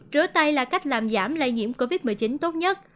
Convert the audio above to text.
rửa tay là cách làm giảm lây nhiễm covid một mươi chín tốt nhất